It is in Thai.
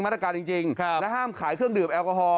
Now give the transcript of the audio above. มาตรการจริงจริงครับและห้ามขายเครื่องดื่มแอลกอฮอล์